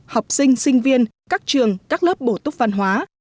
học sinh sinh viên các trường các lớp bổ túc văn hóa